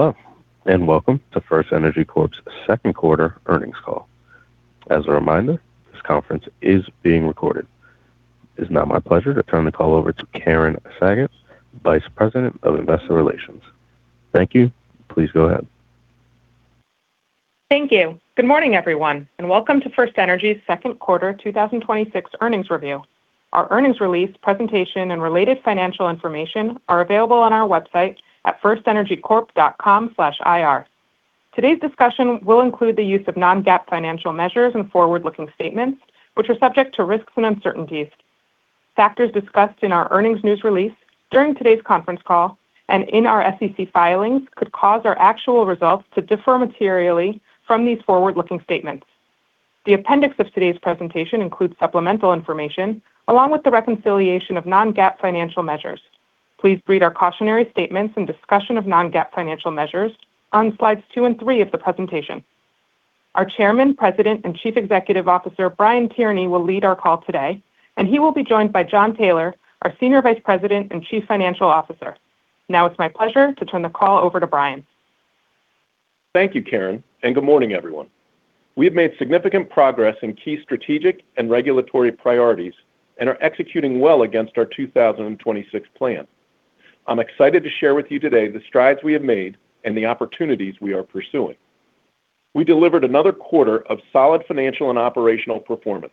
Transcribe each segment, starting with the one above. Hello, welcome to FirstEnergy Corp's second quarter earnings call. As a reminder, this conference is being recorded. It is now my pleasure to turn the call over to Karen Sagot, Vice President of Investor Relations. Thank you. Please go ahead. Thank you. Good morning, everyone, and welcome to FirstEnergy's second quarter 2026 earnings review. Our earnings release presentation and related financial information are available on our website at firstenergycorp.com/ir. Today's discussion will include the use of non-GAAP financial measures and forward-looking statements, which are subject to risks and uncertainties. Factors discussed in our earnings news release, during today's conference call, and in our SEC filings could cause our actual results to differ materially from these forward-looking statements. The appendix of today's presentation includes supplemental information, along with the reconciliation of non-GAAP financial measures. Please read our cautionary statements and discussion of non-GAAP financial measures on slides two and three of the presentation. Our Chairman, President, and Chief Executive Officer, Brian Tierney, will lead our call today, and he will be joined by Jon Taylor, our Senior Vice President and Chief Financial Officer. It's my pleasure to turn the call over to Brian. Thank you, Karen, and good morning, everyone. We have made significant progress in key strategic and regulatory priorities and are executing well against our 2026 plan. I'm excited to share with you today the strides we have made and the opportunities we are pursuing. We delivered another quarter of solid financial and operational performance.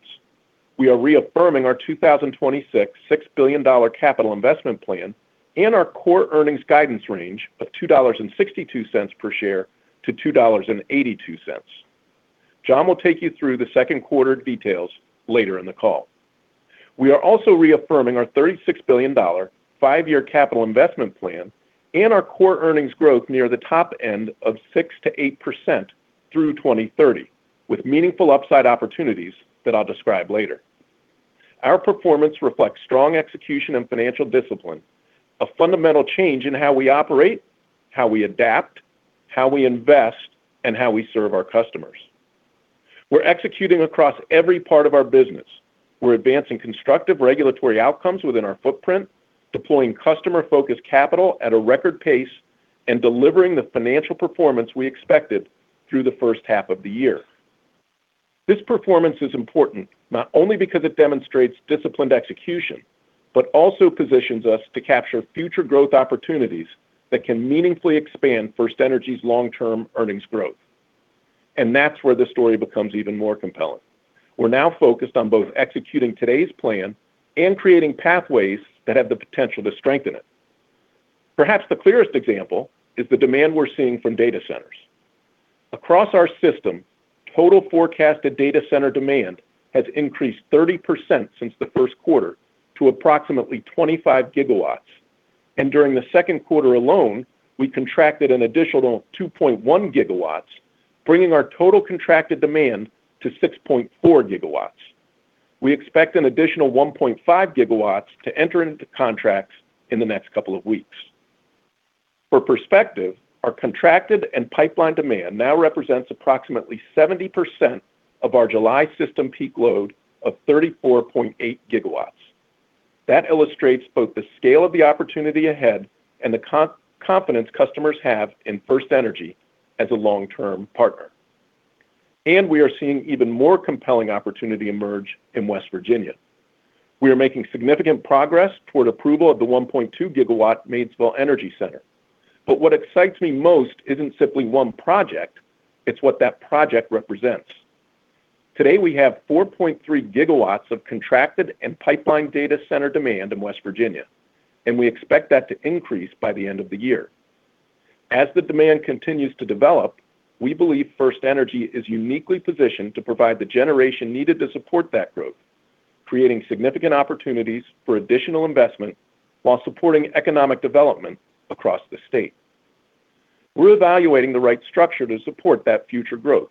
We are reaffirming our 2026 $6 billion capital investment plan and our Core EPS guidance range of $2.62 per share to $2.82. Jon will take you through the second quarter details later in the call. We are also reaffirming our $36 billion five-year capital investment plan and our Core EPS growth near the top end of 6%-8% through 2030, with meaningful upside opportunities that I'll describe later. Our performance reflects strong execution and financial discipline, a fundamental change in how we operate, how we adapt, how we invest, and how we serve our customers. We're executing across every part of our business. We're advancing constructive regulatory outcomes within our footprint, deploying customer-focused capital at a record pace, and delivering the financial performance we expected through the first half of the year. This performance is important, not only because it demonstrates disciplined execution, but also positions us to capture future growth opportunities that can meaningfully expand FirstEnergy's long-term earnings growth. That's where the story becomes even more compelling. We're now focused on both executing today's plan and creating pathways that have the potential to strengthen it. Perhaps the clearest example is the demand we're seeing from data centers. Across our system, total forecasted data center demand has increased 30% since the first quarter to approximately 25 gigawatts. During the second quarter alone, we contracted an additional 2.1 gigawatts, bringing our total contracted demand to 6.4 gigawatts. We expect an additional 1.5 gigawatts to enter into contracts in the next couple of weeks. For perspective, our contracted and pipelined demand now represents approximately 70% of our July system peak load of 34.8 gigawatts. That illustrates both the scale of the opportunity ahead and the confidence customers have in FirstEnergy as a long-term partner. We are seeing even more compelling opportunity emerge in West Virginia. We are making significant progress toward approval of the 1.2 gigawatt Moundsville Energy Center. What excites me most isn't simply one project, it's what that project represents. Today, we have 4.3 gigawatts of contracted and pipelined data center demand in West Virginia, and we expect that to increase by the end of the year. As the demand continues to develop, we believe FirstEnergy is uniquely positioned to provide the generation needed to support that growth, creating significant opportunities for additional investment while supporting economic development across the state. We're evaluating the right structure to support that future growth,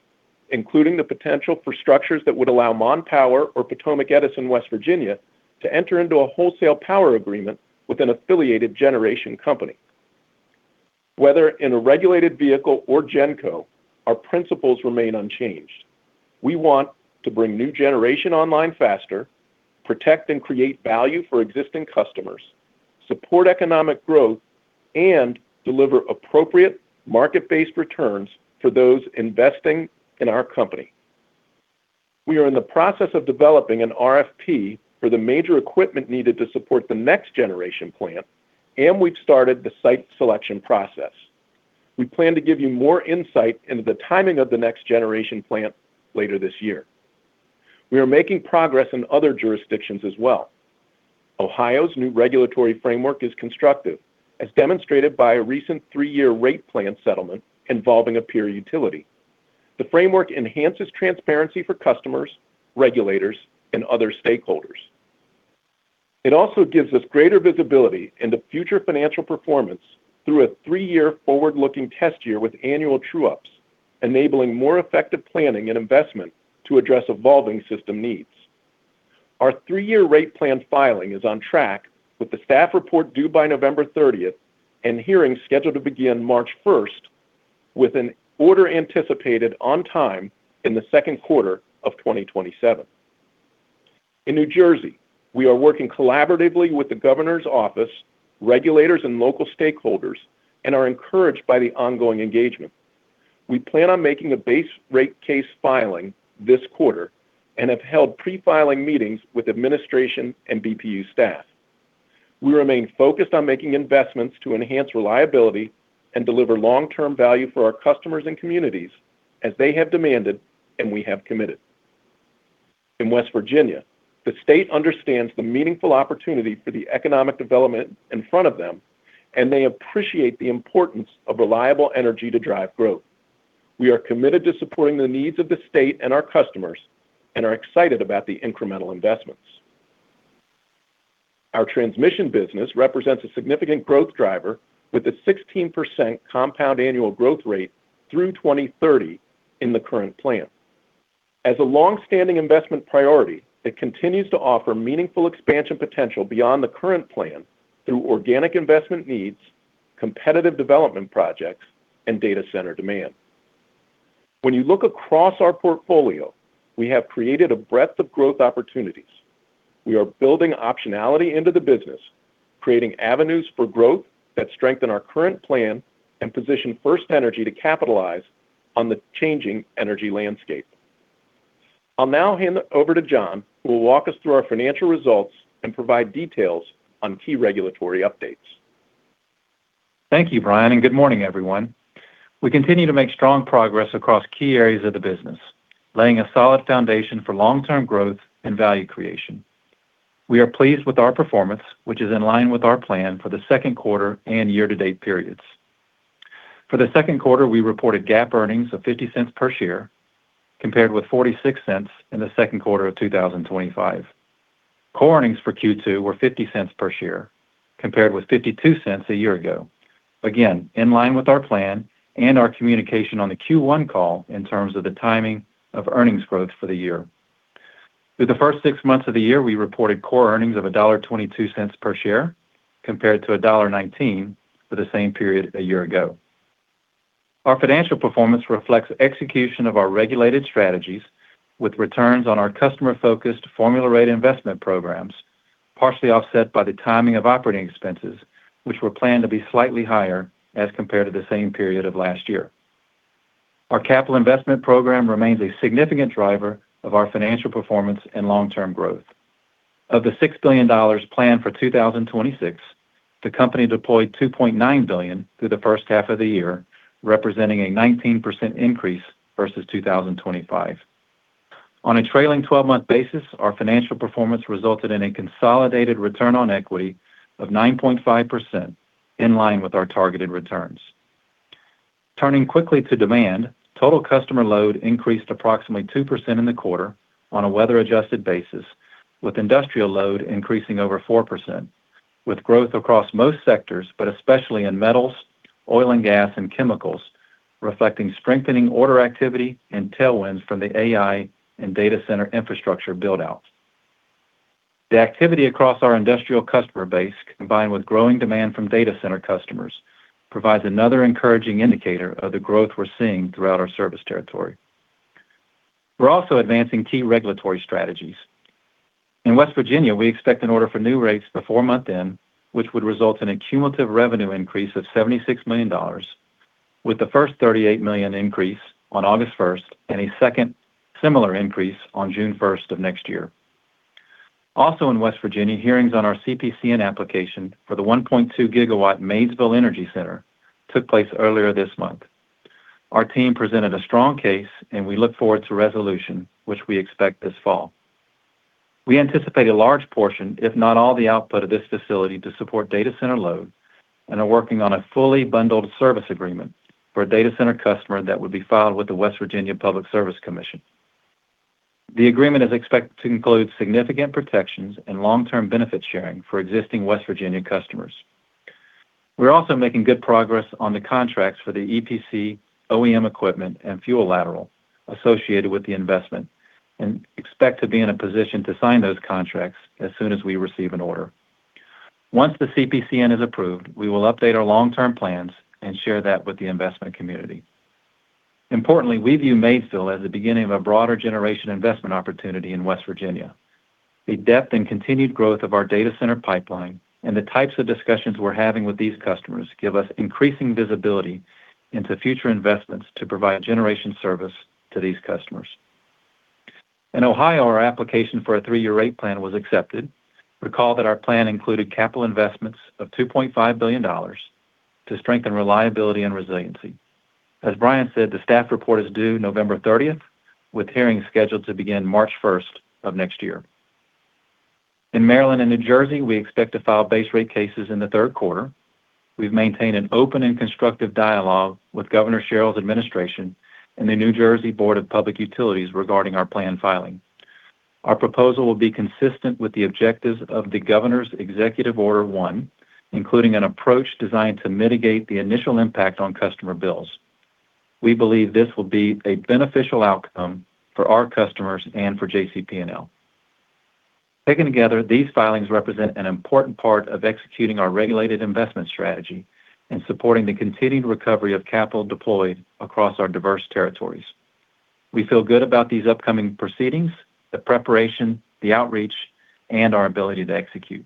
including the potential for structures that would allow Mon Power and Potomac Edison, West Virginia, to enter into a wholesale power agreement with an affiliated generation company. Whether in a regulated vehicle or gen co, our principles remain unchanged. We want to bring new generation online faster, protect and create value for existing customers, support economic growth, and deliver appropriate market-based returns for those investing in our company. We are in the process of developing an RFP for the major equipment needed to support the next generation plant, and we've started the site selection process. We plan to give you more insight into the timing of the next generation plant later this year. We are making progress in other jurisdictions as well. Ohio's new regulatory framework is constructive, as demonstrated by a recent three-year rate plan settlement involving a peer utility. The framework enhances transparency for customers, regulators, and other stakeholders. It also gives us greater visibility into future financial performance through a three-year forward-looking test year with annual true-ups, enabling more effective planning and investment to address evolving system needs. Our three-year rate plan filing is on track with the staff report due by November 30th and hearings scheduled to begin March 1st, with an order anticipated on time in the second quarter of 2027. In New Jersey, we are working collaboratively with the governor's office, regulators, and local stakeholders and are encouraged by the ongoing engagement. We plan on making a base rate case filing this quarter and have held pre-filing meetings with administration and BPU staff. We remain focused on making investments to enhance reliability and deliver long-term value for our customers and communities as they have demanded and we have committed. In West Virginia, the state understands the meaningful opportunity for the economic development in front of them, and they appreciate the importance of reliable energy to drive growth. We are committed to supporting the needs of the state and our customers and are excited about the incremental investments. Our transmission business represents a significant growth driver with a 16% compound annual growth rate through 2030 in the current plan. As a longstanding investment priority, it continues to offer meaningful expansion potential beyond the current plan through organic investment needs, competitive development projects, and data center demand. You look across our portfolio, we have created a breadth of growth opportunities. We are building optionality into the business, creating avenues for growth that strengthen our current plan and position FirstEnergy to capitalize on the changing energy landscape. I'll now hand it over to Jon, who will walk us through our financial results and provide details on key regulatory updates. Thank you, Brian. Good morning, everyone. We continue to make strong progress across key areas of the business, laying a solid foundation for long-term growth and value creation. We are pleased with our performance, which is in line with our plan for the second quarter and year-to-date periods. For the second quarter, we reported GAAP earnings of $0.50 per share, compared with $0.46 in the second quarter of 2025. Core earnings for Q2 were $0.50 per share, compared with $0.52 a year ago. In line with our plan and our communication on the Q1 call in terms of the timing of earnings growth for the year. Through the first six months of the year, we reported Core earnings of $1.22 per share, compared to $1.19 for the same period a year ago. Our financial performance reflects execution of our regulated strategies with returns on our customer-focused formula rate investment programs, partially offset by the timing of operating expenses, which were planned to be slightly higher as compared to the same period of last year. Our capital investment program remains a significant driver of our financial performance and long-term growth. Of the $6 billion planned for 2026, the company deployed $2.9 billion through the first half of the year, representing a 19% increase versus 2025. On a trailing 12-month basis, our financial performance resulted in a consolidated return on equity of 9.5%, in line with our targeted returns. Turning quickly to demand, total customer load increased approximately 2% in the quarter on a weather-adjusted basis, with industrial load increasing over 4%, with growth across most sectors, but especially in metals, oil and gas, and chemicals, reflecting strengthening order activity and tailwinds from the AI and data center infrastructure build-outs. The activity across our industrial customer base, combined with growing demand from data center customers, provides another encouraging indicator of the growth we're seeing throughout our service territory. We're also advancing key regulatory strategies. In West Virginia, we expect an order for new rates before month-end, which would result in a cumulative revenue increase of $76 million, with the first $38 million increase on August 1st and a second similar increase on June 1st of next year. Also in West Virginia, hearings on our CPCN application for the 1.2 gigawatt Moundsville Energy Center took place earlier this month. Our team presented a strong case. We look forward to resolution, which we expect this fall. We anticipate a large portion, if not all the output of this facility, to support data center load and are working on a fully bundled service agreement for a data center customer that would be filed with the Public Service Commission of West Virginia. The agreement is expected to include significant protections and long-term benefit sharing for existing West Virginia customers. We're also making good progress on the contracts for the EPC, OEM equipment, and fuel lateral associated with the investment and expect to be in a position to sign those contracts as soon as we receive an order. Once the CPCN is approved, we will update our long-term plans and share that with the investment community. Importantly, we view Moundsville as the beginning of a broader generation investment opportunity in West Virginia. The depth and continued growth of our data center pipeline and the types of discussions we're having with these customers give us increasing visibility into future investments to provide generation service to these customers. In Ohio, our application for a three-year rate plan was accepted. Recall that our plan included capital investments of $2.5 billion to strengthen reliability and resiliency. As Brian said, the staff report is due November 30th, with hearings scheduled to begin March 1st of next year. In Maryland and New Jersey, we expect to file base rate cases in the third quarter. We've maintained an open and constructive dialogue with Governor Sherrill's administration and the New Jersey Board of Public Utilities regarding our planned filing. Our proposal will be consistent with the objectives of the Governor's Executive Order 1, including an approach designed to mitigate the initial impact on customer bills. We believe this will be a beneficial outcome for our customers and for JCP&L. Taken together, these filings represent an important part of executing our regulated investment strategy and supporting the continued recovery of capital deployed across our diverse territories. We feel good about these upcoming proceedings, the preparation, the outreach, and our ability to execute.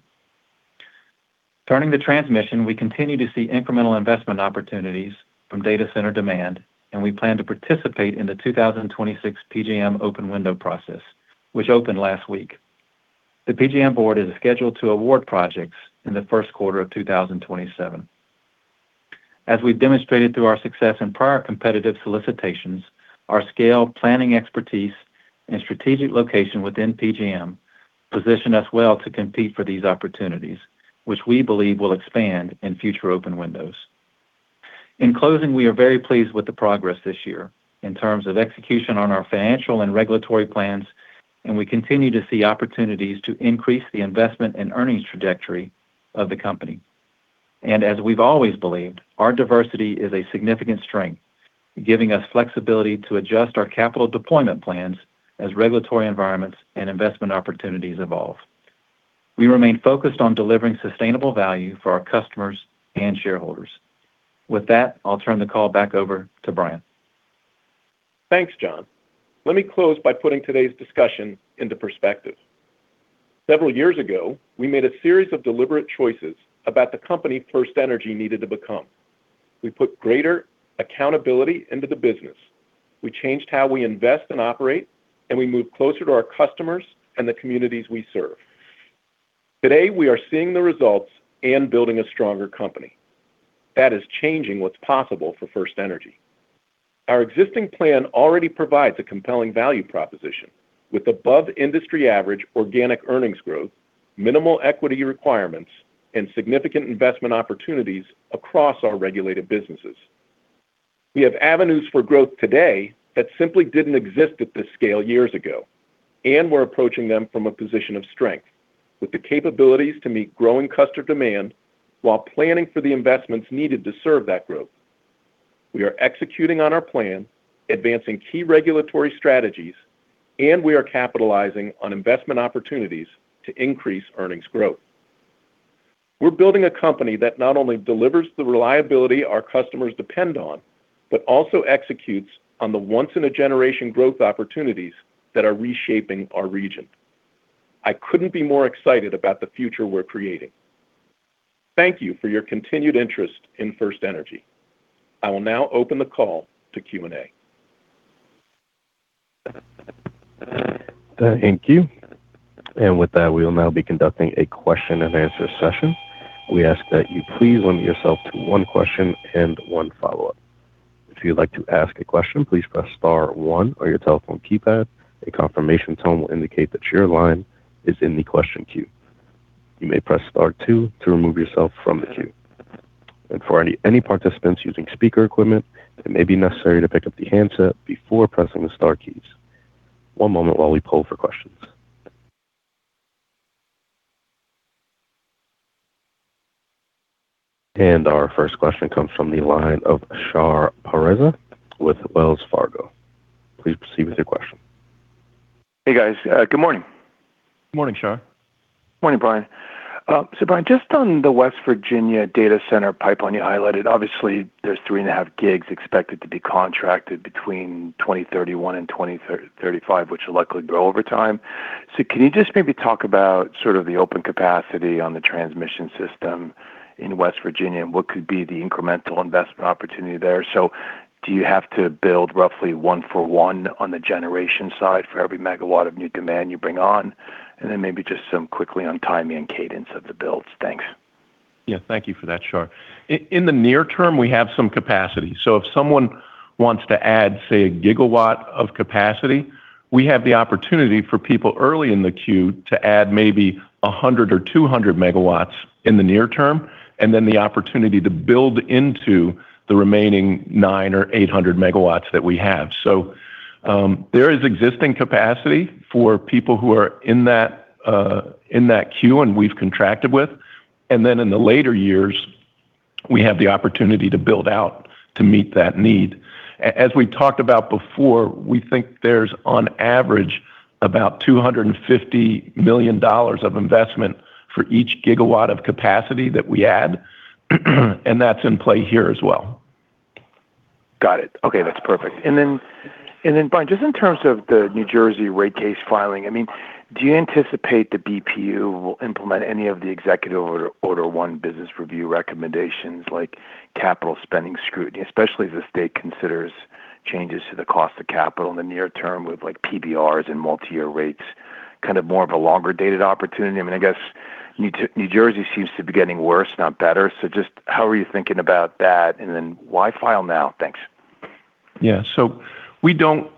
Turning to transmission, we continue to see incremental investment opportunities from data center demand. We plan to participate in the 2026 PJM open window process, which opened last week. The PJM board is scheduled to award projects in the first quarter of 2027. As we've demonstrated through our success in prior competitive solicitations, our scale, planning expertise, and strategic location within PJM position us well to compete for these opportunities, which we believe will expand in future open windows. In closing, we are very pleased with the progress this year in terms of execution on our financial and regulatory plans. We continue to see opportunities to increase the investment and earnings trajectory of the company. As we've always believed, our diversity is a significant strength, giving us flexibility to adjust our capital deployment plans as regulatory environments and investment opportunities evolve. We remain focused on delivering sustainable value for our customers and shareholders. With that, I'll turn the call back over to Brian. Thanks, Jon. Let me close by putting today's discussion into perspective. Several years ago, we made a series of deliberate choices about the company FirstEnergy needed to become. We put greater accountability into the business. We changed how we invest and operate, and we moved closer to our customers and the communities we serve. Today, we are seeing the results and building a stronger company. That is changing what's possible for FirstEnergy. Our existing plan already provides a compelling value proposition, with above industry average organic earnings growth, minimal equity requirements, and significant investment opportunities across our regulated businesses. We have avenues for growth today that simply didn't exist at this scale years ago. We're approaching them from a position of strength, with the capabilities to meet growing customer demand while planning for the investments needed to serve that growth. We are executing on our plan, advancing key regulatory strategies, and we are capitalizing on investment opportunities to increase earnings growth. We're building a company that not only delivers the reliability our customers depend on, but also executes on the once-in-a-generation growth opportunities that are reshaping our region. I couldn't be more excited about the future we're creating. Thank you for your continued interest in FirstEnergy. I will now open the call to Q and A. Thank you. With that, we will now be conducting a question-and-answer session. We ask that you please limit yourself to one question and one follow-up. If you'd like to ask a question, please press star one on your telephone keypad. A confirmation tone will indicate that your line is in the question queue. You may press star two to remove yourself from the queue. For any participants using speaker equipment, it may be necessary to pick up the handset before pressing the star keys. One moment while we poll for questions. Our first question comes from the line of Shar Pourreza with Wells Fargo. Please proceed with your question. Hey, guys. Good morning. Morning, Shar. Morning, Brian. Brian, just on the West Virginia data center pipeline you highlighted, obviously there's three and a half gigs expected to be contracted between 2031 and 2035, which will likely grow over time. Can you just maybe talk about sort of the open capacity on the transmission system in West Virginia and what could be the incremental investment opportunity there? Do you have to build roughly one for one on the generation side for every megawatt of new demand you bring on? Then maybe just some quickly on timing and cadence of the builds. Thanks. Yeah, thank you for that, Shar. In the near term, we have some capacity. If someone wants to add, say, a gigawatt of capacity, we have the opportunity for people early in the queue to add maybe 100 or 200 megawatts in the near term, then the opportunity to build into the remaining 9 or 800 megawatts that we have. There is existing capacity for people who are in that queue and we've contracted with. In the later years, we have the opportunity to build out to meet that need. As we talked about before, we think there's on average about $250 million of investment for each gigawatt of capacity that we add, and that's in play here as well. Got it. Okay, that's perfect. Brian, just in terms of the New Jersey rate case filing, do you anticipate the BPU will implement any of the Executive Order 1 business review recommendations like capital spending scrutiny? Especially as the state considers changes to the cost of capital in the near term with PBRs and multi-year rates, kind of more of a longer-dated opportunity. I guess New Jersey seems to be getting worse, not better. Just how are you thinking about that, why file now? Thanks. Yeah. We don't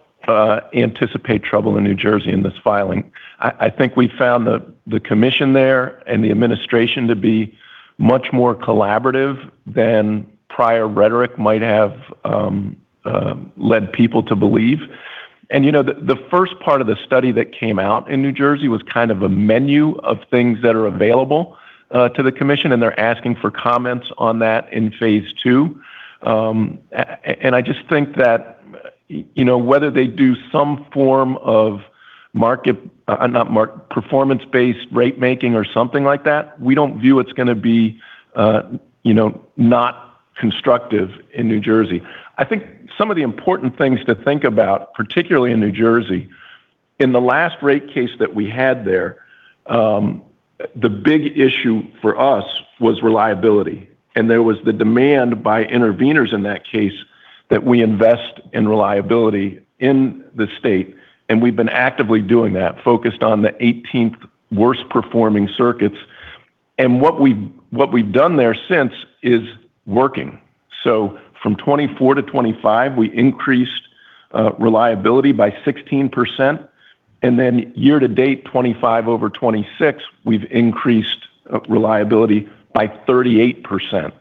anticipate trouble in New Jersey in this filing. I think we found the commission there and the administration to be much more collaborative than prior rhetoric might have led people to believe. The first part of the study that came out in New Jersey was kind of a menu of things that are available to the commission, and they're asking for comments on that in phase II. I just think that whether they do some form of performance-based rate making or something like that, we don't view it's going to be not constructive in New Jersey. I think some of the important things to think about, particularly in New Jersey, in the last rate case that we had there, the big issue for us was reliability. There was the demand by interveners in that case that we invest in reliability in the state, and we've been actively doing that, focused on the 18th worst performing circuits. What we've done there since is working. From 2024 to 2025, we increased reliability by 16%, and year to date, 2025 over 2026, we've increased reliability by 38%.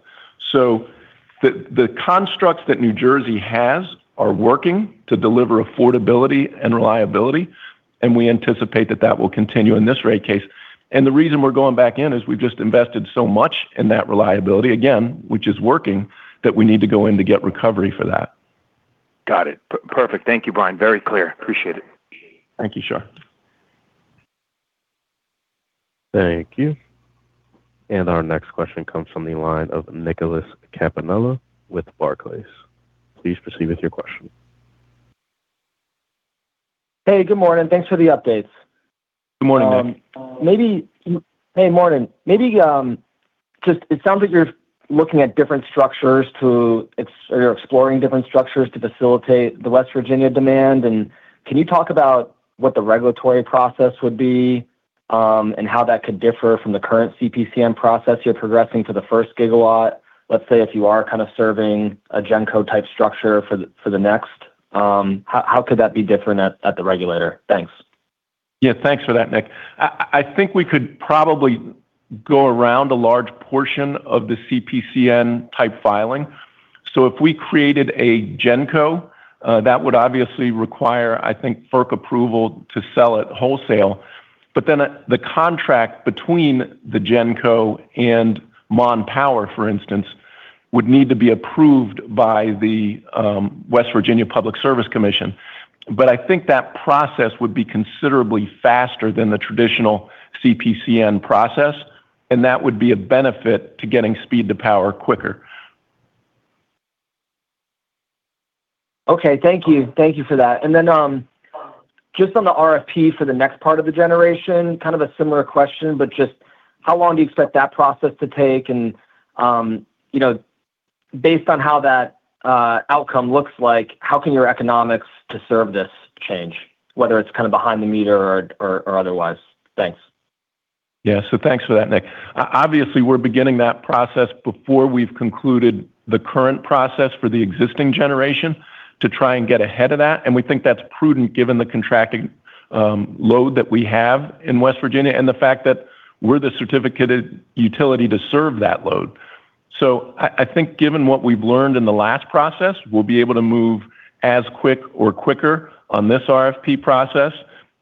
The constructs that New Jersey has are working to deliver affordability and reliability, and we anticipate that that will continue in this rate case. The reason we're going back in is we've just invested so much in that reliability, again, which is working, that we need to go in to get recovery for that. Got it. Perfect. Thank you, Brian. Very clear. Appreciate it. Thank you, Shar. Thank you. Our next question comes from the line of Nicholas Campanella with Barclays. Please proceed with your question. Hey, good morning. Thanks for the updates. Good morning, Nicholas. Hey, morning. It sounds like you're looking at different structures to, or you're exploring different structures to facilitate the West Virginia demand. Can you talk about what the regulatory process would be, and how that could differ from the current CPCN process you're progressing to the first gigawatt, let's say, if you are serving a gen co type structure for the next. How could that be different at the regulator? Thanks. Thanks for that, Nicholas. I think we could probably go around a large portion of the CPCN type filing. If we created a Gen Co, that would obviously require, I think, FERC approval to sell it wholesale. Then the contract between the Gen Co and Mon Power, for instance, would need to be approved by the West Virginia Public Service Commission. I think that process would be considerably faster than the traditional CPCN process, and that would be a benefit to getting speed to power quicker. Okay. Thank you. Thank you for that. Then just on the RFP for the next part of the generation, a similar question, but just how long do you expect that process to take? Based on how that outcome looks like, how can your economics to serve this change, whether it's behind the meter or otherwise? Thanks. Thanks for that, Nicholas. Obviously, we're beginning that process before we've concluded the current process for the existing generation to try and get ahead of that, and we think that's prudent given the contracting load that we have in West Virginia and the fact that we're the certificated utility to serve that load. I think given what we've learned in the last process, we'll be able to move as quick or quicker on this RFP process,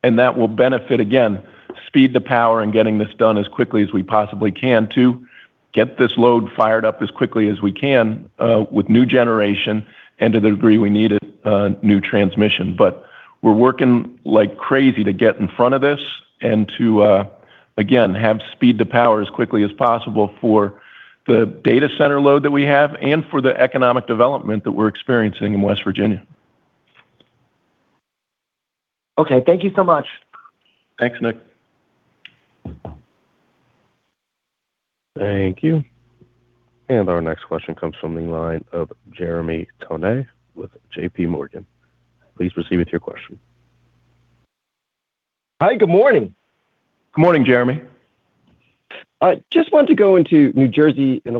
and that will benefit, again, speed to power and getting this done as quickly as we possibly can to get this load fired up as quickly as we can with new generation and to the degree we need it, new transmission. We're working like crazy to get in front of this and to, again, have speed to power as quickly as possible for the data center load that we have and for the economic development that we're experiencing in West Virginia. Okay. Thank you so much. Thanks, Nicholas. Thank you. Our next question comes from the line of Jeremy Tonet with JPMorgan. Please proceed with your question. Hi. Good morning. Good morning, Jeremy. I just want to go into New Jersey in a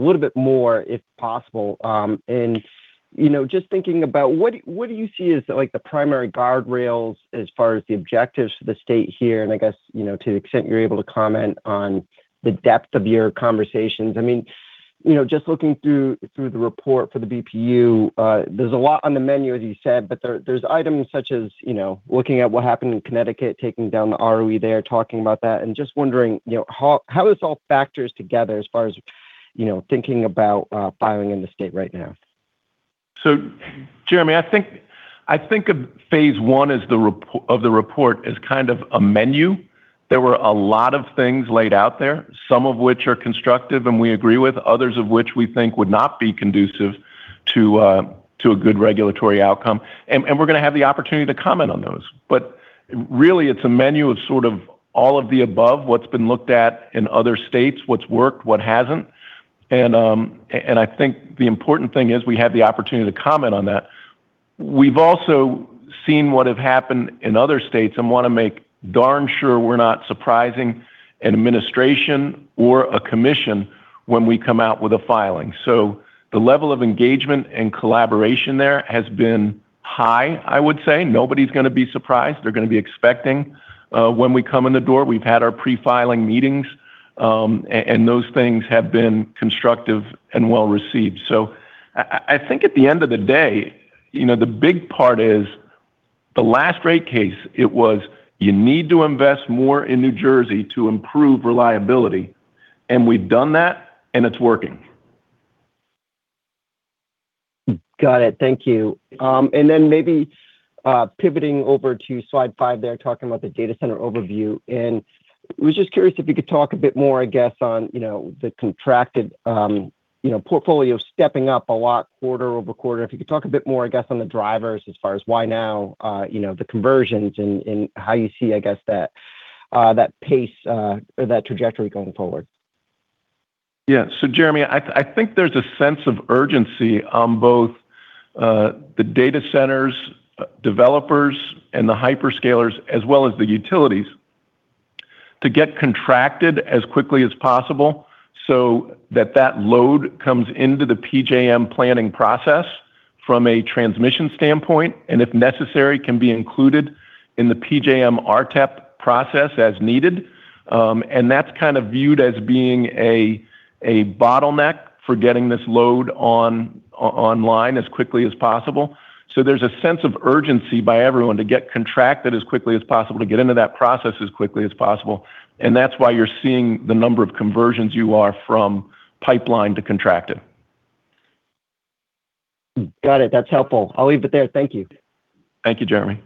little bit more, if possible. Just thinking about, what do you see as like the primary guardrails as far as the objectives for the state here, and I guess, to the extent you're able to comment on the depth of your conversations. Just looking through the report for the BPU, there's a lot on the menu, as you said, but there's items such as looking at what happened in Connecticut, taking down the ROE there, talking about that, just wondering how this all factors together as far as thinking about filing in the state right now. Jeremy, I think of phase I of the report as kind of a menu. There were a lot of things laid out there, some of which are constructive and we agree with, others of which we think would not be conducive to a good regulatory outcome, and we're going to have the opportunity to comment on those. Really it's a menu of sort of all of the above, what's been looked at in other states, what's worked, what hasn't, I think the important thing is we have the opportunity to comment on that. We've also seen what have happened in other states and want to make darn sure we're not surprising an administration or a commission when we come out with a filing. The level of engagement and collaboration there has been high, I would say. Nobody's going to be surprised. They're going to be expecting when we come in the door. We've had our pre-filing meetings, and those things have been constructive and well-received. I think at the end of the day, the big part is The last rate case, it was you need to invest more in New Jersey to improve reliability, and we've done that, and it's working. Got it. Thank you. Then maybe pivoting over to slide five there, talking about the data center overview. Was just curious if you could talk a bit more, I guess, on the contracted portfolio stepping up a lot quarter-over-quarter. If you could talk a bit more, I guess, on the drivers as far as why now, the conversions, and how you see, I guess, that pace or that trajectory going forward. Yeah. Jeremy, I think there's a sense of urgency on both the data centers developers and the hyperscalers, as well as the utilities, to get contracted as quickly as possible so that load comes into the PJM planning process from a transmission standpoint, and if necessary, can be included in the PJM RTEP process as needed. That's kind of viewed as being a bottleneck for getting this load online as quickly as possible. There's a sense of urgency by everyone to get contracted as quickly as possible, to get into that process as quickly as possible, and that's why you're seeing the number of conversions you are from pipeline to contracted. Got it. That's helpful. I'll leave it there. Thank you. Thank you, Jeremy.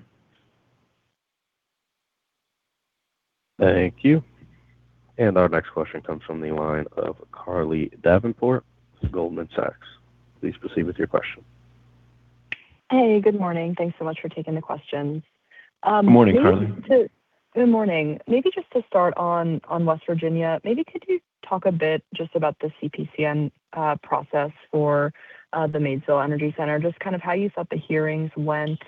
Thank you. Our next question comes from the line of Carly Davenport with Goldman Sachs. Please proceed with your question. Hey, good morning. Thanks so much for taking the questions. Morning, Carly. Good morning. Maybe just to start on West Virginia, maybe could you talk a bit just about the CPCN process for the Moundsville Energy Center, just kind of how you thought the hearings went,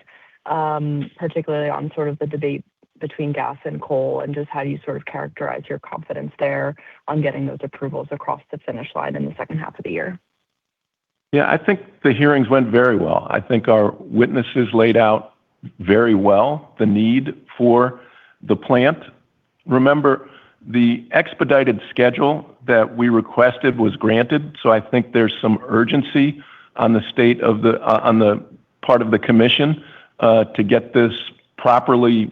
particularly on sort of the debate between gas and coal, and just how you sort of characterize your confidence there on getting those approvals across the finish line in the second half of the year? Yeah. I think the hearings went very well. I think our witnesses laid out very well the need for the plant. Remember, the expedited schedule that we requested was granted, so I think there's some urgency on the part of the commission to get this properly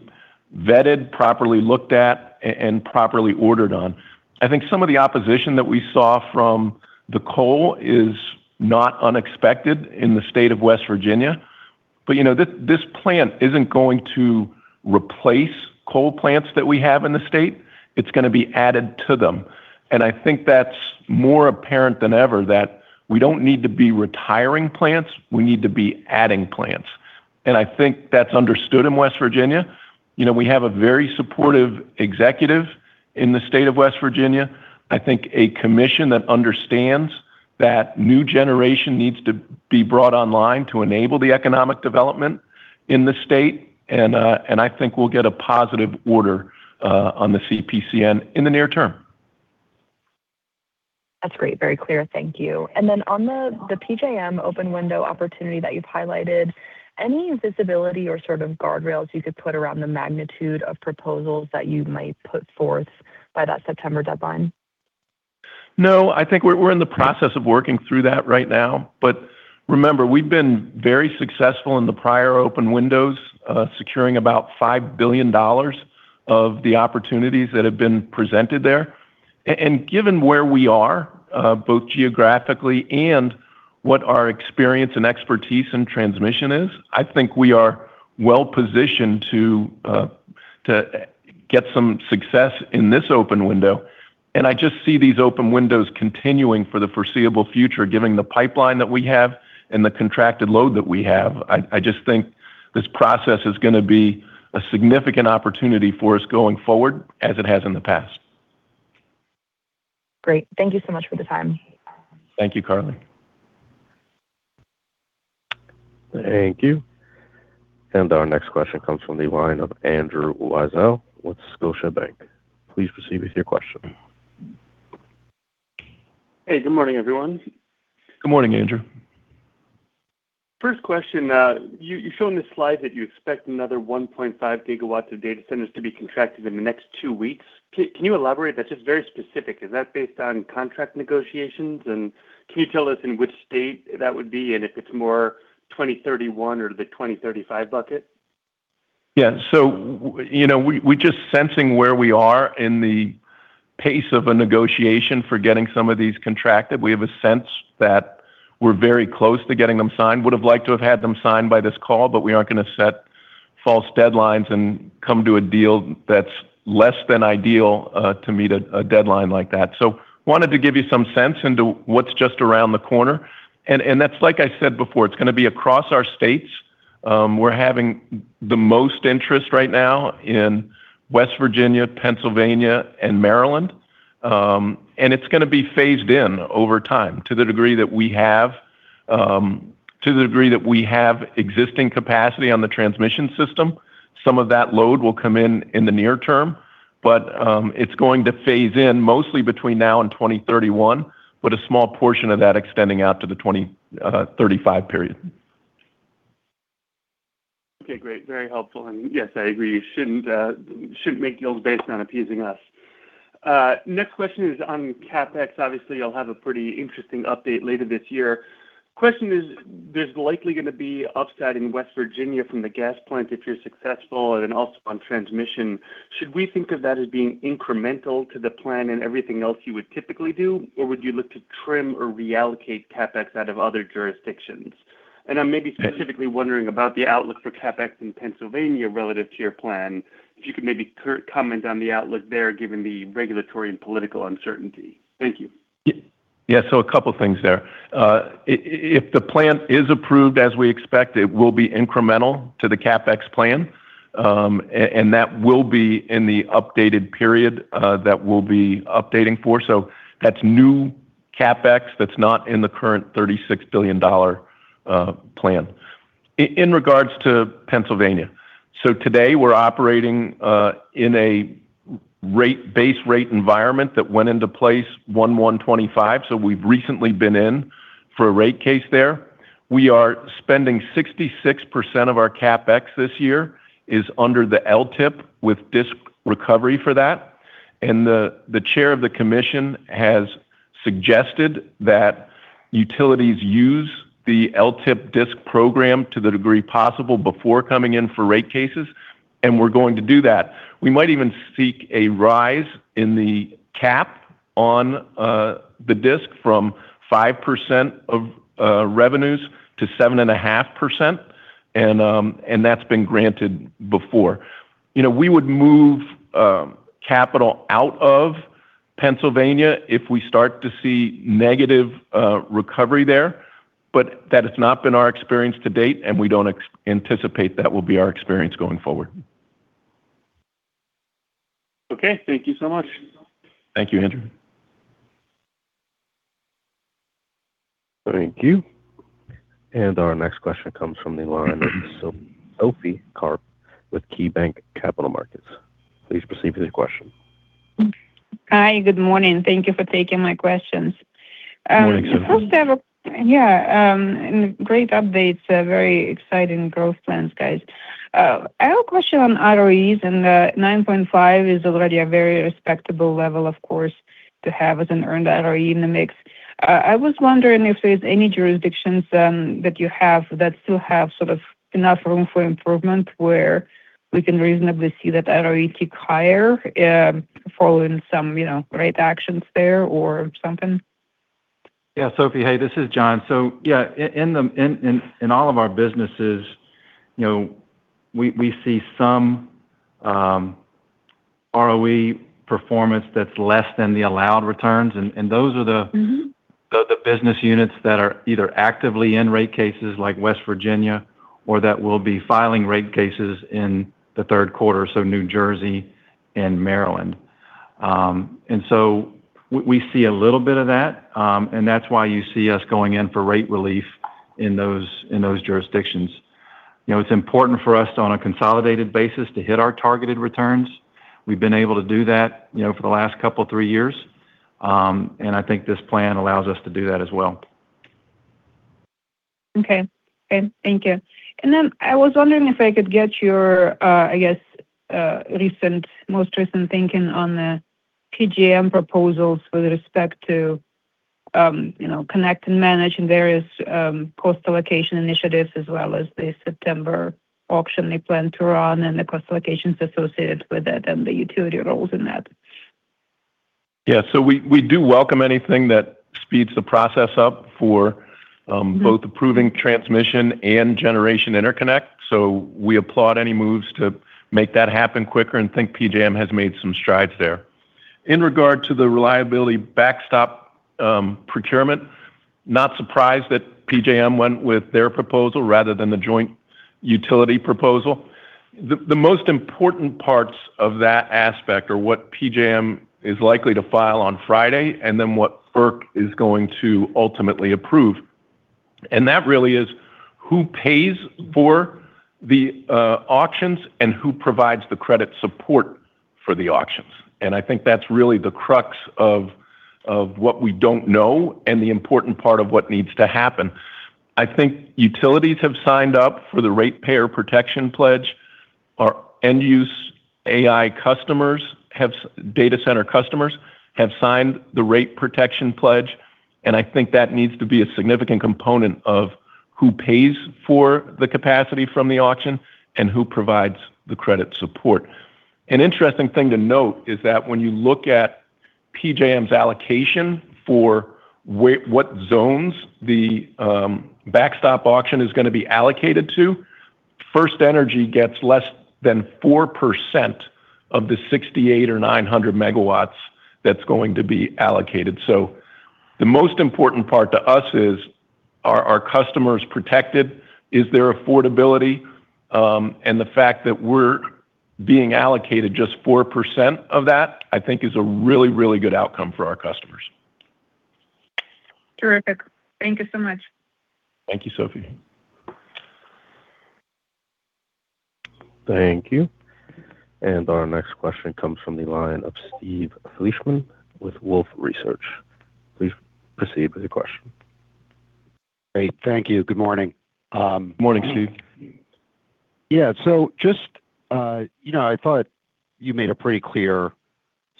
vetted, properly looked at, and properly ordered on. I think some of the opposition that we saw from the coal is not unexpected in the state of West Virginia. This plant isn't going to replace coal plants that we have in the state. It's going to be added to them. I think that's more apparent than ever that we don't need to be retiring plants, we need to be adding plants. I think that's understood in West Virginia. We have a very supportive executive in the state of West Virginia. I think a commission that understands that new generation needs to be brought online to enable the economic development in the state, and I think we'll get a positive order on the CPCN in the near term. That's great. Very clear. Thank you. On the PJM open window opportunity that you've highlighted, any visibility or sort of guardrails you could put around the magnitude of proposals that you might put forth by that September deadline? I think we're in the process of working through that right now. Remember, we've been very successful in the prior open windows, securing about $5 billion of the opportunities that have been presented there. Given where we are, both geographically and what our experience and expertise in transmission is, I think we are well-positioned to get some success in this open window. I just see these open windows continuing for the foreseeable future, given the pipeline that we have and the contracted load that we have. I just think this process is going to be a significant opportunity for us going forward, as it has in the past. Great. Thank you so much for the time. Thank you, Carly. Thank you. Our next question comes from the line of Andrew Weisel with Scotiabank. Please proceed with your question. Hey, good morning, everyone. Good morning, Andrew. First question. You show in the slide that you expect another 1.5 gigawatts of data centers to be contracted in the next two weeks. Can you elaborate? That's just very specific. Is that based on contract negotiations, and can you tell us in which state that would be, and if it's more 2031 or the 2035 bucket? Yeah. We're just sensing where we are in the pace of a negotiation for getting some of these contracted. We have a sense that we're very close to getting them signed. Would've liked to have had them signed by this call, but we aren't going to set false deadlines and come to a deal that's less than ideal to meet a deadline like that. Wanted to give you some sense into what's just around the corner. That's like I said before, it's going to be across our states. We're having the most interest right now in West Virginia, Pennsylvania, and Maryland. It's going to be phased in over time to the degree that we have existing capacity on the transmission system. Some of that load will come in in the near term, but it's going to phase in mostly between now and 2031, with a small portion of that extending out to the 2035 period. Okay, great. Very helpful. Yes, I agree. Shouldn't make deals based on appeasing us. Next question is on CapEx. Obviously, you'll have a pretty interesting update later this year. Question is, there's likely going to be upside in West Virginia from the gas plant if you're successful, also on transmission. Should we think of that as being incremental to the plan and everything else you would typically do, or would you look to trim or reallocate CapEx out of other jurisdictions? I'm maybe specifically wondering about the outlook for CapEx in Pennsylvania relative to your plan. If you could maybe comment on the outlook there, given the regulatory and political uncertainty. Thank you. Yeah. A couple things there. If the plan is approved as we expect, it will be incremental to the CapEx plan. That will be in the updated period that we'll be updating for. That's new CapEx that's not in the current $36 billion plan. In regards to Pennsylvania, today we're operating in a base rate environment that went into place 11/25. We've recently been in for a rate case there. We are spending 66% of our CapEx this year, is under the LTIP with DISC recovery for that. The chair of the commission has suggested that utilities use the LTIP DISC program to the degree possible before coming in for rate cases, we're going to do that. We might even seek a rise in the cap on the DISC from 5% of revenues to 7.5%, that's been granted before. We would move capital out of Pennsylvania if we start to see negative recovery there. That has not been our experience to date, we don't anticipate that will be our experience going forward. Okay. Thank you so much. Thank you, Andrew. Thank you. Our next question comes from the line of Sophie Karp with KeyBanc Capital Markets. Please proceed with your question. Hi. Good morning. Thank you for taking my questions. Morning, Sophie. Yeah, great updates. Very exciting growth plans, guys. I have a question on ROEs. The 9.5 is already a very respectable level, of course, to have as an earned ROE in the mix. I was wondering if there's any jurisdictions that you have that still have sort of enough room for improvement where we can reasonably see that ROE tick higher following some rate actions there or something. Yeah, Sophie. Hey, this is Jon. Yeah, in all of our businesses, we see some ROE performance that's less than the allowed returns. Those are the business units that are either actively in rate cases like West Virginia or that will be filing rate cases in the third quarter. New Jersey and Maryland. We see a little bit of that, and that's why you see us going in for rate relief in those jurisdictions. It's important for us on a consolidated basis to hit our targeted returns. We've been able to do that for the last couple of three years. I think this plan allows us to do that as well. Okay. Thank you. Then I was wondering if I could get your, I guess, most recent thinking on the PJM proposals with respect to Connect and Manage in various cost allocation initiatives as well as the September auction they plan to run and the cost allocations associated with it and the utility roles in that. Yeah. We do welcome anything that speeds the process up for both approving transmission and generation interconnect. We applaud any moves to make that happen quicker and think PJM has made some strides there. In regard to the reliability backstop procurement, not surprised that PJM went with their proposal rather than the joint utility proposal. The most important parts of that aspect are what PJM is likely to file on Friday, then what FERC is going to ultimately approve. That really is who pays for the auctions and who provides the credit support for the auctions. I think that's really the crux of what we don't know and the important part of what needs to happen. I think utilities have signed up for the Ratepayer Protection Pledge. Our end-use AI customers, data center customers, have signed the Ratepayer Protection Pledge, I think that needs to be a significant component of who pays for the capacity from the auction and who provides the credit support. An interesting thing to note is that when you look at PJM's allocation for what zones the backstop auction is going to be allocated to, FirstEnergy gets less than 4% of the 68 or 900 megawatts that's going to be allocated. The most important part to us is, are our customers protected? Is there affordability? The fact that we're being allocated just 4% of that, I think is a really, really good outcome for our customers. Terrific. Thank you so much. Thank you, Sophie. Thank you. Our next question comes from the line of Steve Fleishman with Wolfe Research. Please proceed with your question. Great. Thank you. Good morning. Morning, Steve. I thought you made a pretty clear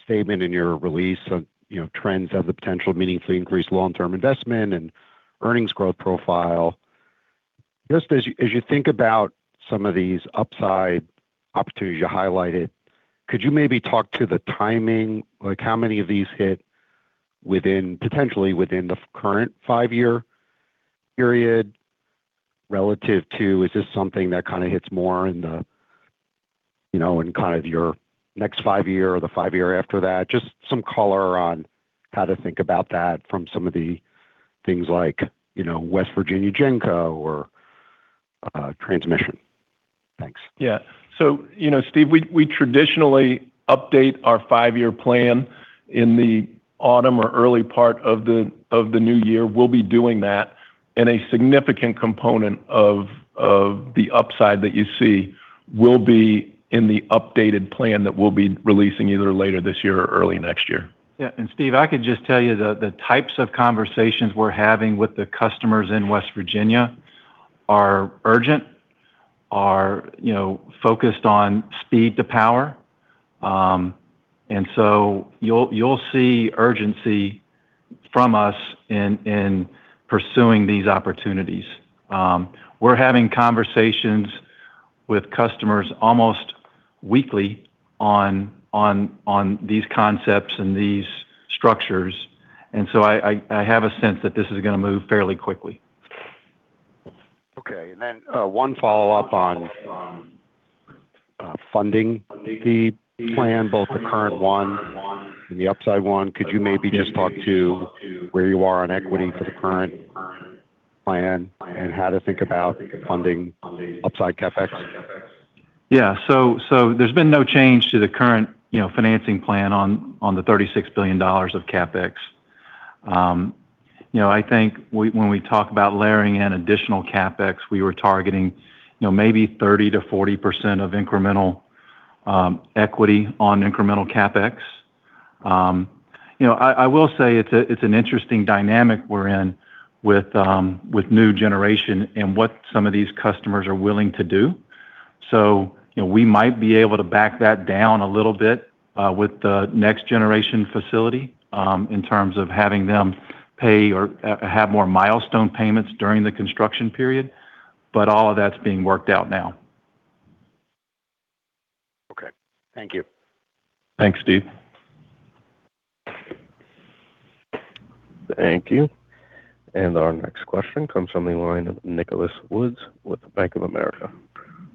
statement in your release on trends as the potential meaningfully increased long-term investment and earnings growth profile. Just as you think about some of these upside opportunities you highlighted, could you maybe talk to the timing? Like how many of these hit potentially within the current five year period relative to, is this something that kind of hits more in kind of your next five year or the five year after that? Just some color on how to think about that from some of the things like West Virginia GenCo or transmission. Thanks. Steve, we traditionally update our five year plan in the autumn or early part of the new year. We'll be doing that in a significant component of the upside that you see will be in the updated plan that we'll be releasing either later this year or early next year. Steve, I could just tell you the types of conversations we're having with the customers in West Virginia are urgent, are focused on speed to power. You'll see urgency from us in pursuing these opportunities. We're having conversations with customers almost weekly on these concepts and these structures, I have a sense that this is going to move fairly quickly. Okay. Then, one follow-up on funding the plan, both the current one and the upside one. Could you maybe just talk to where you are on equity for the current plan and how to think about funding upside CapEx? There's been no change to the current financing plan on the $36 billion of CapEx. I think when we talk about layering in additional CapEx, we were targeting maybe 30%-40% of incremental equity on incremental CapEx. I will say it's an interesting dynamic we're in with new generation and what some of these customers are willing to do. We might be able to back that down a little bit with the next generation facility, in terms of having them pay or have more milestone payments during the construction period. All of that's being worked out now. Okay. Thank you. Thanks, Steve. Thank you. Our next question comes from the line of Nicolas Woods with Bank of America.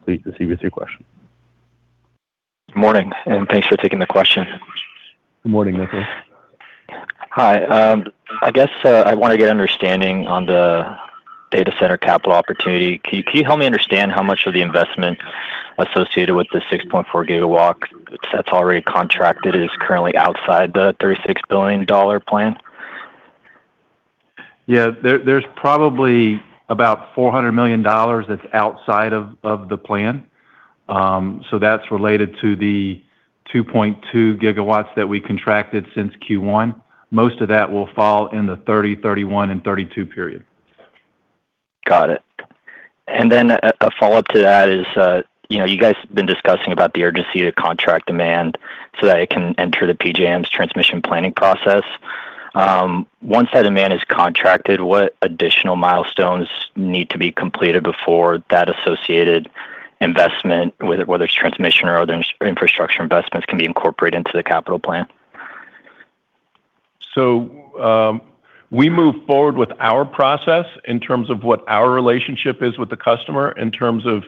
Please proceed with your question. Morning, thanks for taking the question. Morning, Nicolas. Hi. I guess I want to get an understanding on the data center capital opportunity. Can you help me understand how much of the investment associated with the 6.4 GW that's already contracted is currently outside the $36 billion plan? Yeah. There's probably about $400 million that's outside of the plan. That's related to the 2.2 GW that we contracted since Q1. Most of that will fall in the 2030, 2031 and 2032 period. Got it. Then a follow-up to that is, you guys have been discussing about the urgency to contract demand so that it can enter the PJM's transmission planning process. Once that demand is contracted, what additional milestones need to be completed before that associated investment, whether it's transmission or other infrastructure investments, can be incorporated into the capital plan? We move forward with our process in terms of what our relationship is with the customer in terms of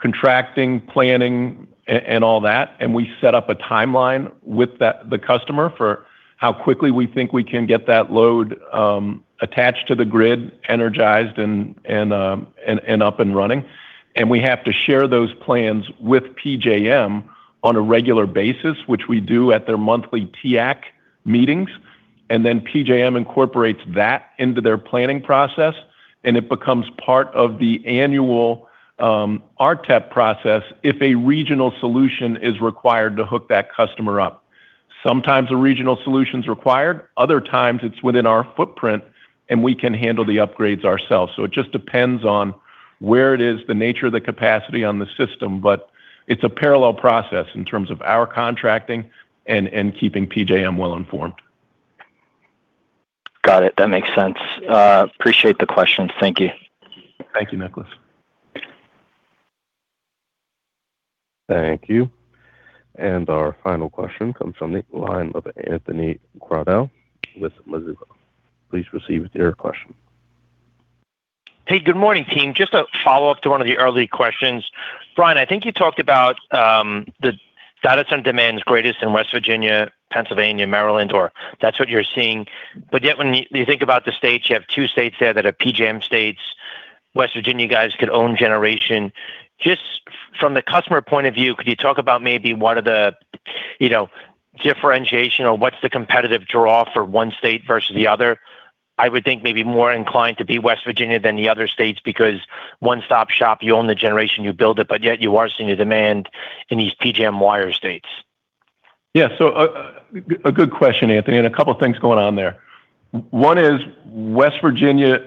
contracting, planning, and all that, and we set up a timeline with the customer for how quickly we think we can get that load attached to the grid, energized and up and running. We have to share those plans with PJM on a regular basis, which we do at their monthly TAC meetings. PJM incorporates that into their planning process, and it becomes part of the annual RTEP process if a regional solution is required to hook that customer up. Sometimes a regional solution's required. Other times, it's within our footprint, and we can handle the upgrades ourselves. It just depends on where it is, the nature of the capacity on the system. It's a parallel process in terms of our contracting and keeping PJM well-informed. Got it. That makes sense. Appreciate the question. Thank you. Thank you, Nicolas. Thank you. Our final question comes from the line of Anthony Crowdell with Mizuho. Please proceed with your question. Hey, good morning, team. Just a follow-up to one of the early questions. Brian, I think you talked about the data center demand is greatest in West Virginia, Pennsylvania, Maryland, or that's what you're seeing. Yet when you think about the states, you have two states there that are PJM states, West Virginia guys could own generation. Just from the customer point of view, could you talk about maybe what are the differentiation or what's the competitive draw for one state versus the other? I would think maybe more inclined to be West Virginia than the other states because one-stop-shop, you own the generation, you build it, yet you are seeing a demand in these PJM wire states. Yeah. A good question, Anthony, and a couple of things going on there. One is, West Virginia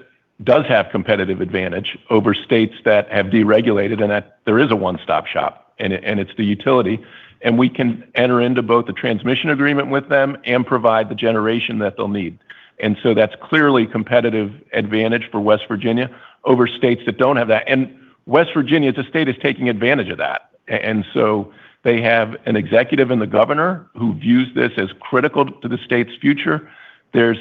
does have competitive advantage over states that have deregulated in that there is a one-stop-shop, and it's the utility, and we can enter into both the transmission agreement with them and provide the generation that they'll need. That's clearly competitive advantage for West Virginia over states that don't have that. West Virginia as a state is taking advantage of that. They have an executive and the Governor who views this as critical to the state's future. There's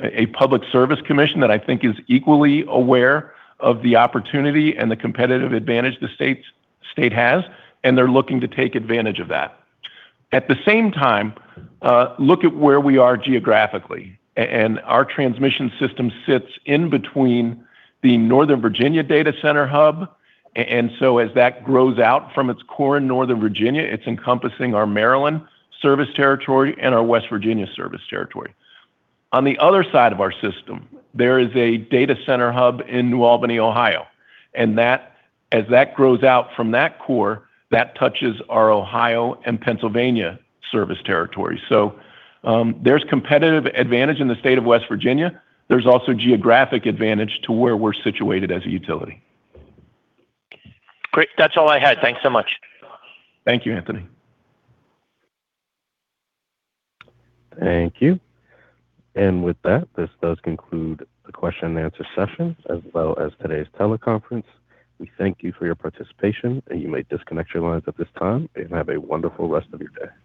a Public Service Commission that I think is equally aware of the opportunity and the competitive advantage the state has, and they're looking to take advantage of that. At the same time, look at where we are geographically. Our transmission system sits in between the Northern Virginia Data Center hub. As that grows out from its core in Northern Virginia, it's encompassing our Maryland service territory and our West Virginia service territory. On the other side of our system, there is a data center hub in New Albany, Ohio. As that grows out from that core, that touches our Ohio and Pennsylvania service territory. There's competitive advantage in the state of West Virginia. There's also geographic advantage to where we're situated as a utility. Great. That's all I had. Thanks so much. Thank you, Anthony. Thank you. With that, this does conclude the question-and-answer session, as well as today's teleconference. We thank you for your participation, you may disconnect your lines at this time, have a wonderful rest of your day.